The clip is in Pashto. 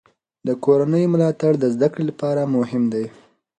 د کورنۍ ملاتړ د زده کړې لپاره مهم دی.